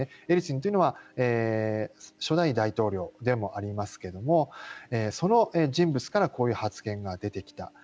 エリツィンというのは初代大統領でもありますがその人物からこういう発言が出てきた。